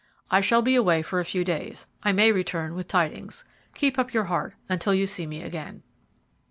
"I shall be away for a few days. I may return with tidings. Keep up your heart until you see me again."